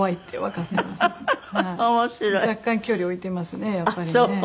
若干距離を置いてますねやっぱりね。